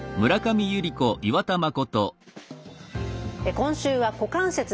今週は股関節です。